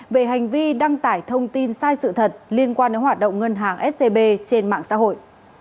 về hành vi đăng tải thông tin sai sự thật liên quan đến hoạt động ngân hàng scb trên mạng xã hội